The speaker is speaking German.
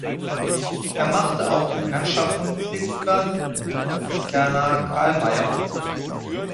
Er machte auch die Bekanntschaft von Ludwig Uhland, Justinus Kerner, Karl Mayer und anderen.